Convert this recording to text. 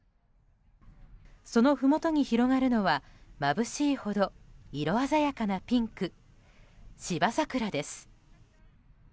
そのふもとに広がるのはまぶしいほど色鮮やかなピンク芝桜です。